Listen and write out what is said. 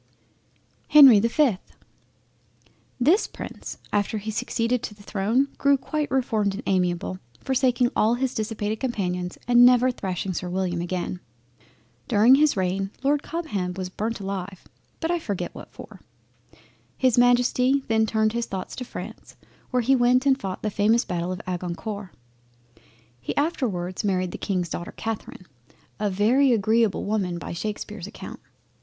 HENRY the 5th This Prince after he succeeded to the throne grew quite reformed and amiable, forsaking all his dissipated companions, and never thrashing Sir William again. During his reign, Lord Cobham was burnt alive, but I forget what for. His Majesty then turned his thoughts to France, where he went and fought the famous Battle of Agincourt. He afterwards married the King's daughter Catherine, a very agreable woman by Shakespear's account.